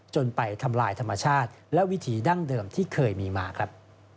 จนไปทำลายธรรมชาติและวิถีดั้งเดิมที่เคยมีมาครับ